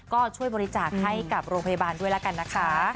ก็ช่วยบริจาคให้กับโรงพยาบาลด้วยแล้วกันนะคะ